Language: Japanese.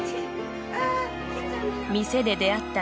店で出会った